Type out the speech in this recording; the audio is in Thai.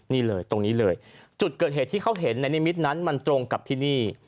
นี่เลยตรงนี้เลยจุดเกิดเหตุที่เขาเห็นในนิมิตรนั้นมันตรงกับที่นี่